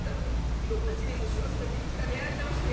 記録をセーブし忘れて一からやり直して。